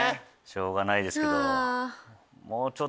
しょうがないですけど。